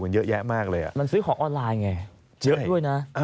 เยอะด้วยนะ